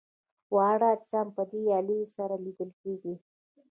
واړه اجسام په دې الې سره لیدل کیږي.